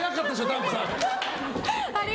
ダンプさん。